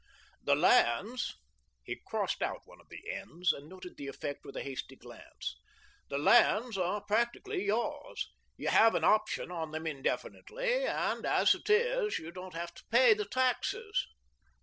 "The lands" he crossed out one of the N's and noted the effect with a hasty glance "the lands are practically yours. You have an option on them indefinitely, and, as it is, you don't have to pay the taxes."